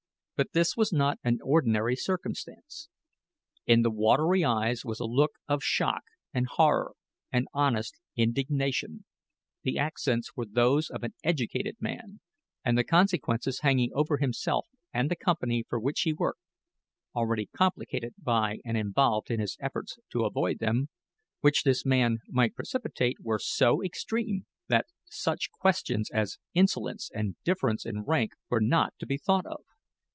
But this was not an ordinary circumstance. In the watery eyes was a look of shock, and horror, and honest indignation; the accents were those of an educated man; and the consequences hanging over himself and the company for which he worked already complicated by and involved in his efforts to avoid them which this man might precipitate, were so extreme, that such questions as insolence and difference in rank were not to be thought of.